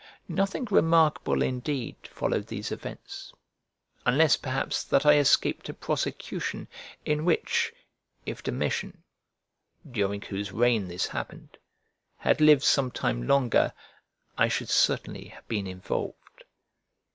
Nothing remarkable indeed followed these events, unless perhaps that I escaped a prosecution, in which, if Domitian (during whose reign this happened) had lived some time longer, I should certainly have been involved.